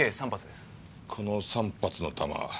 この３発の弾